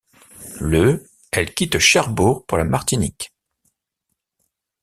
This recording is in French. Le elle quitte Cherbourg pour la Martinique.